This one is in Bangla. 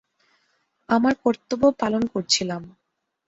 আমার কর্তব্য পালন করছিলাম।